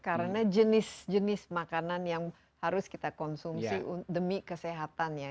karena jenis jenis makanan yang harus kita konsumsi demi kesehatan ya